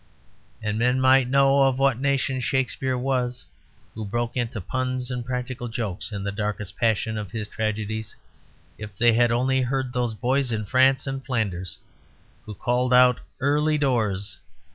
And men might know of what nation Shakespeare was, who broke into puns and practical jokes in the darkest passion of his tragedies, if they had only heard those boys in France and Flanders who called out "Early Doors!"